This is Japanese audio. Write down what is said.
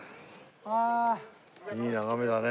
いい眺めだね